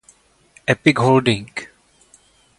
Epic Holding.